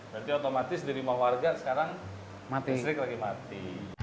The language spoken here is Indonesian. berarti otomatis dirima warga sekarang listrik lagi mati